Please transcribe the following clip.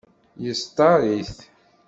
Yextaṛ-it?